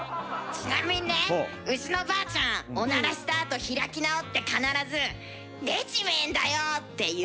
ちなみにねうちのばあちゃんおならしたあと開き直って必ずって言う。